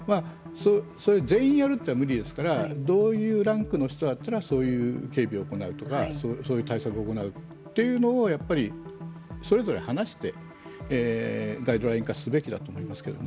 それを全員にやるのは無理ですからどういうランクの人だったらそういう警備を行うとかそういう対策を行うというのをやっぱりそれぞれ話してガイドライン化すべきだと思いますけどね。